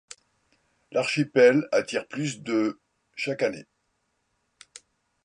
L'archipel attire plus de chaque année.